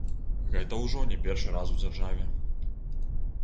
Гэта ўжо не першы раз у дзяржаве.